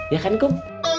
ya kan kum